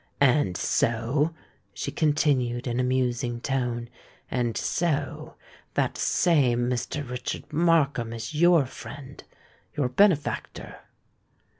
And so," she continued in a musing tone,—"and so that same Mr. Richard Markham is your friend—your benefactor?"